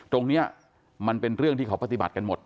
ตรงนี้มันเป็นเรื่องที่เขาปฏิบัติกันหมด